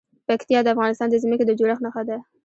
پکتیا د افغانستان د ځمکې د جوړښت نښه ده.